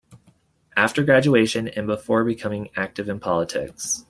After graduation and before becoming active in politics.